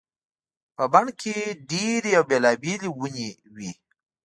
په بڼ کې ډېرې او بېلابېلې ونې وي.